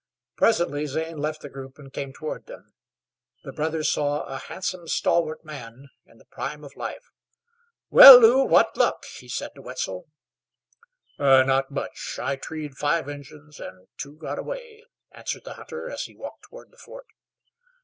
Presently Zane left the group and came toward them. The brothers saw a handsome, stalwart man, in the prime of life. "Well, Lew, what luck?" he said to Wetzel. "Not much. I treed five Injuns, an' two got away," answered the hunter as he walked toward the fort.